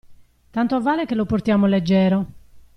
Tanto vale che lo portiamo leggero.